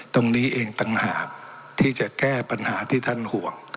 ตรงนี้เองต่างหากที่จะแก้ปัญหาที่ท่านห่วง